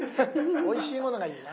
おいしいものがいいな。